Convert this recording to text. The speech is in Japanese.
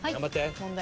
問題